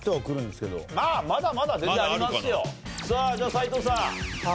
斎藤さん